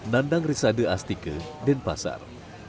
landang risada astika denpasar